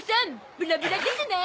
ブラブラですな！